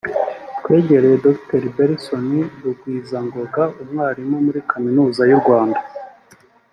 twegereye Dr Belson Rugwizangoga umwarimu muri Kaminuza y’u Rwanda